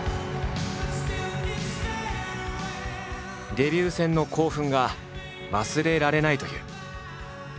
デビュー戦の興奮が忘れられないという。